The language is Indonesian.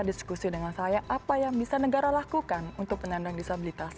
diskusi dengan saya apa yang bisa negara lakukan untuk penyandang disabilitas